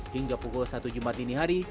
hingga pukul satu jumat ini hari